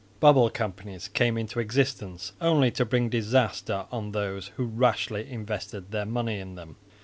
Bubble companies came into existence, only to bring disaster on those who rashly invested their money in them.